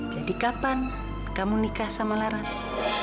jadi kapan kamu nikah sama laras